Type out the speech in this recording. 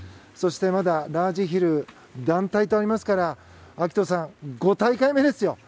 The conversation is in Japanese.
そして、まだラージヒル、団体とありますから暁斗さん、５大会目ですよ。